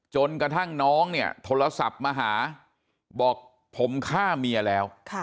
จนกระทั่งน้องเนี่ยโทรศัพท์มาหาบอกผมฆ่าเมียแล้ว